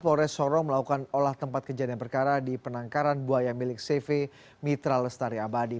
polres sorong melakukan olah tempat kejadian perkara di penangkaran buaya milik cv mitra lestari abadi